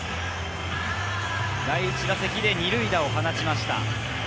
第１打席で二塁打を放ちました。